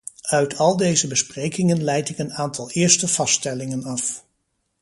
Uit al deze besprekingen leid ik een aantal eerste vaststellingen af.